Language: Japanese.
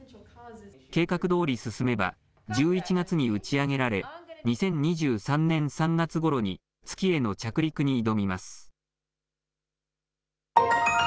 計画どおり進めば、１１月に打ち上げられ、２０２３年３月ごろに月への着陸に挑みます。